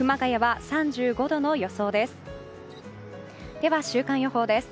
では、週間予報です。